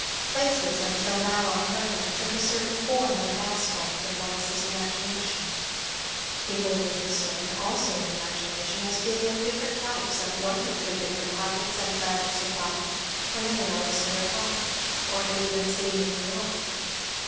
Places, until now unheard of, took a certain form and aspect in Lois's imagination; people were discerned, also in imagination, as being of different types and wonderfully different habits and manners of life from any Lois knew at home, or had even seen in New York.